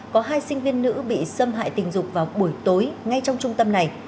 có hai sinh viên nữ bị xâm hại tình dục vào buổi tối ngay trong trung tâm này